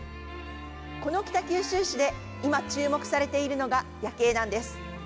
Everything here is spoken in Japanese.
この北九州市で今、注目されているのが夜景なんです。